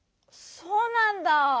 そうなんだ。